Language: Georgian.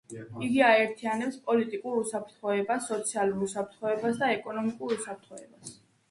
იგი აერთიანებს პოლიტიკურ უსაფრთხოებას, სოციალურ უსაფრთხოებას და ეკონომიკურ უსაფრთხოებას.